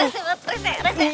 mokok reseh banget